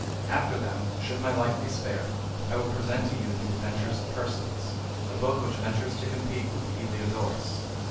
After them, should my life be spared, I will present to you the Adventures of Persiles, a book which ventures to compete with Heliodorus.